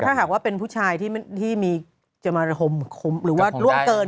ถ้าหากว่าเป็นผู้ชายที่มีจะมาระห่มหรือว่าล่วงเกิน